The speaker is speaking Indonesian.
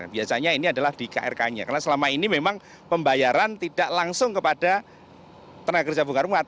biasanya ini adalah di krk nya karena selama ini memang pembayaran tidak langsung kepada tenaga kerja bongkar rumah